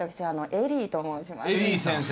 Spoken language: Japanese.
エリー先生。